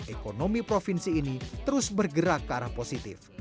ekonomi provinsi ini terus bergerak ke arah positif